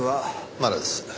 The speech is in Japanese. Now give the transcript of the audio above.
まだです。